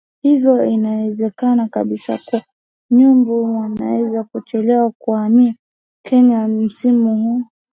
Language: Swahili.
hivyo inawezekana kabisa kuwa Nyumbu wanaweza kuchelewa kuhamia Kenya msimu huu